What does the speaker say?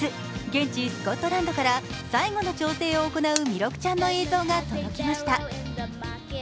現地スコットランドから最後の調整を行う弥勒ちゃんの映像が届きました。